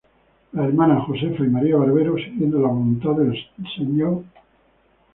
Las hermanas Josefa y María Barbero, siguiendo la voluntad del Dr.